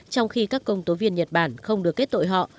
trong khi các công tố viên nhật bản không được kết tội họ